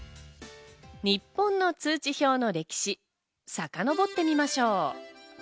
日本の通知表の歴史、さかのぼってみましょう。